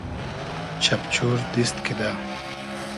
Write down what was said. چئپچور دیست کیدۂ